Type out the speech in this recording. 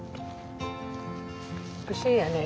不思議やね。